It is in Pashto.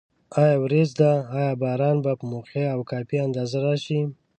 آیا وریځ ده؟ آیا باران به په موقع او کافي اندازه راشي؟